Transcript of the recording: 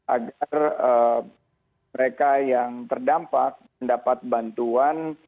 agar mereka yang terdampak mendapat bantuan